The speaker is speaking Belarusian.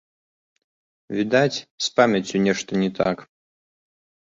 Відаць, з памяццю нешта не так.